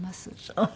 そう。